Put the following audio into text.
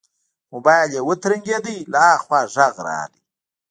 موبايل يې وترنګېد له ها خوا غږ راغی.